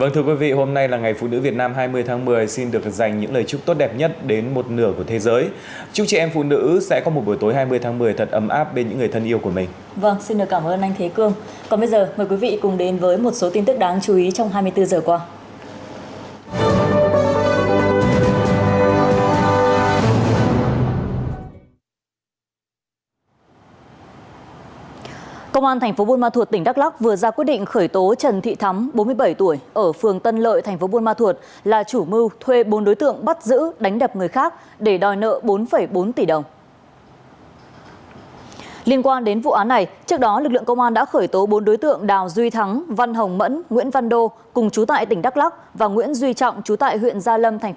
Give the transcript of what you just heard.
từ ngày hai mươi tháng một mươi xin kính chào quý vị khán giả